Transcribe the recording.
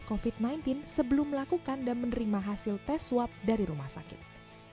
covid sembilan belas sebelum melakukan dan menerima hasil tes swab dari rumah sakit